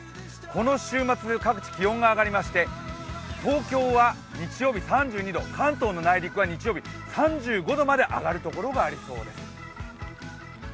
この週末、各地気温が上がりまして東京は日曜日３２度、関東の内陸は日曜日、３５度まで上がるところがありそうです。